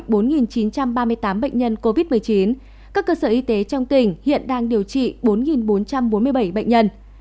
tổng số ca f ghi nhận trên địa bàn tỉnh là chín chín trăm ba mươi tám bệnh nhân covid một mươi chín các cơ sở y tế trong tỉnh hiện đang điều trị bốn bốn trăm bốn mươi bảy bệnh nhân